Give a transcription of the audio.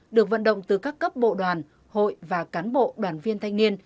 được vận động từ các cấp bộ đoàn hội và cán bộ đoàn viên thanh niên